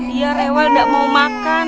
dia rewel gak mau makan